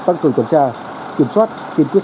tăng cường tuần tra kiểm soát tiền quyết